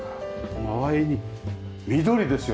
周りに緑ですよね。